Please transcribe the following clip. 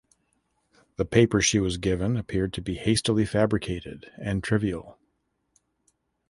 The papers she was given appeared to be hastily fabricated and trivial.